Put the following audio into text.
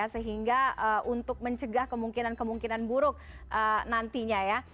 sehingga untuk mencegah kemungkinan kemungkinan buruk nantinya ya